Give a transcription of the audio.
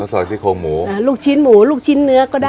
ข้าวซอยซี่โคงหมูลูกชิ้นหมูลูกชิ้นเนื้อก็ได้ค่ะ